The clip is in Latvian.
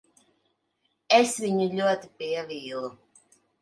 Es viņu ļoti pievīlu.